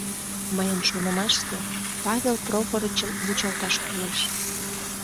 — Мыйын шонымаште, Павел Прохорычым вучалташ кӱлеш.